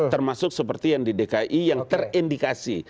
termasuk seperti yang di dki yang terindikasi